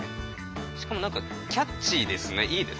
しかも何かキャッチーですね。